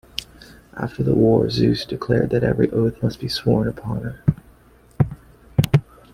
After the war, Zeus declared that every oath must be sworn upon her.